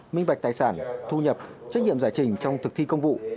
minh bạch tài sản thu nhập trách nhiệm giải trình trong thực thi công vụ